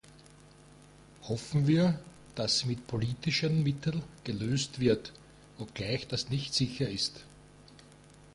Hoffen wir, dass sie mit politischen Mittel gelöst wird, obgleich das nicht sicher ist.